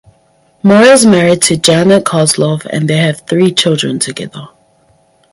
Moore is married to Janet Kosloff and they have three children together.